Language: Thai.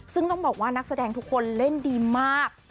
ซึ่งต้องบอกว่านักแสดงทุกคนเล่นดีมาก